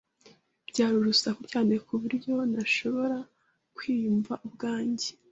Byari urusaku cyane ku buryo ntashobora kwiyumva ubwanjye